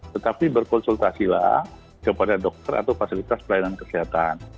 tetapi berkonsultasilah kepada dokter atau fasilitas pelayanan kesehatan